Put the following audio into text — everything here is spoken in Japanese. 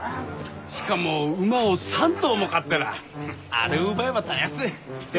しかも馬を３頭も飼ってらああれを奪えばたやすい。